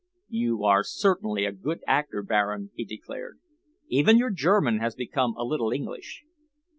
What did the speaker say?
"You are certainly a good actor, Baron," he declared. "Even your German has become a little English.